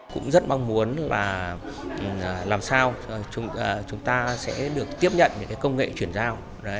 cũng rất mong muốn là làm sao chúng ta sẽ được tiếp nhận những công nghệ chuyển giao